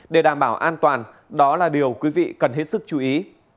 để đảm bảo an toàn đó là điều quý vị cần hết sức chú ý